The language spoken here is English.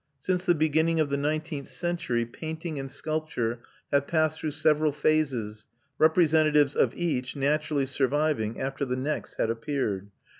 Since the beginning of the nineteenth century painting and sculpture have passed through several phases, representatives of each naturally surviving after the next had appeared.